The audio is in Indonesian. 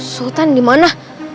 sultan di mana